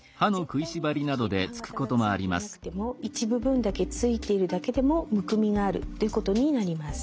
全体にくっきりと歯形がついていなくても一部分だけついているだけでもむくみがあるということになります。